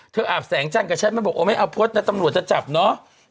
อาบแสงจันทร์กับฉันมันบอกโอ้ไม่เอาพจน์นะตำรวจจะจับเนาะ